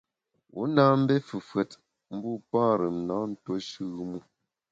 Wu na mbé fefùet, mbu parùm na ntuo shùm u.